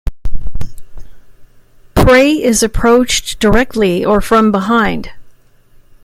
Prey is approached directly or from behind.